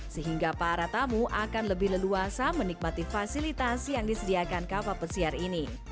sehingga para tamu akan lebih leluasa menikmati fasilitas yang disediakan kapal pesiar ini